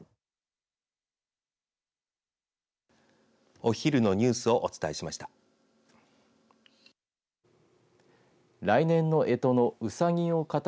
お昼のニュースをお伝えしました。